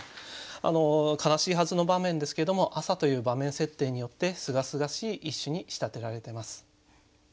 悲しいはずの場面ですけども朝という場面設定によってすがすがしい一首に仕立てられてます。